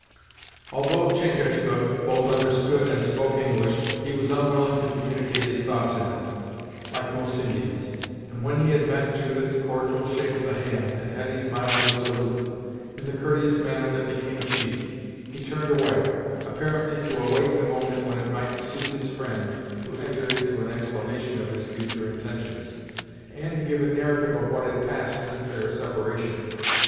Although Chingachgook both understood and spoke English, he was unwilling to communicate his thoughts in it, like most Indians, and when he had met Judith's cordial shake of the hand, and Hetty's milder salute, in the courteous manner that became a chief, he turned away, apparently to await the moment when it might suit his friend to enter into an explanation of his future intentions, and to give a narrative of what had passed since their separation.